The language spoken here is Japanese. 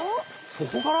そこから？